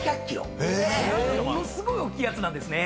ものすごいおっきいやつなんですね。